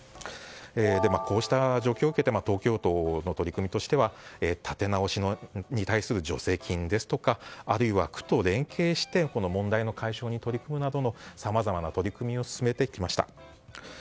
こうした状況を受けて東京都の取り組みとしては建て直しに対する助成金ですとかあるいは区と連携して問題の解消に取り組むなどのさまざまな取り組みを進めてきました。